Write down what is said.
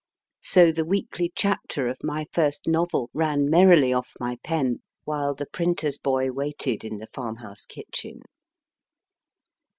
So the weekly chapter of my first 122 MY FIRST BOOK novel ran merrily off my pen while the printer s boy waited in the farmhouse kitchen.